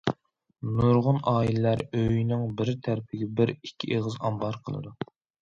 نۇرغۇن ئائىلىلەر ئۆينىڭ بىر تەرىپىگە بىر، ئىككى ئېغىز ئامبار قىلىدۇ.